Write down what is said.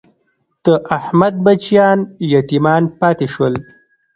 د احمد بچیان یتیمان پاتې شول.